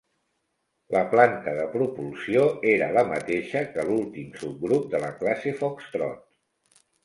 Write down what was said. La planta de propulsió era la mateixa que l'últim subgrup de la classe Foxtrot.